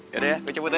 yaudah ya gue cabut ya